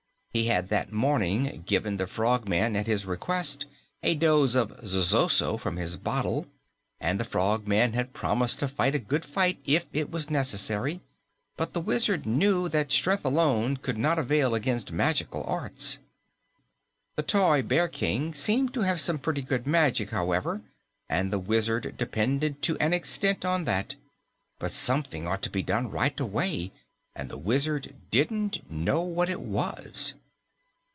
He had that morning given the Frogman, at his request, a dose of zosozo from his bottle, and the Frogman had promised to fight a good fight if it was necessary, but the Wizard knew that strength alone could not avail against magical arts. The toy Bear King seemed to have some pretty good magic, however, and the Wizard depended to an extent on that. But something ought to be done right away, and the Wizard didn't know what it was.